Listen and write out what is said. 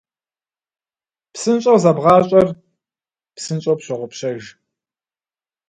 Псынщӏэу зэбгъащӏэр псынщӏэу пщогъупщэж.